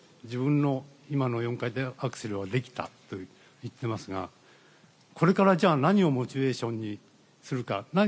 自分の今の４回転アクセルをできたと言っていますがこれから、じゃあ何をモチベーションにするか。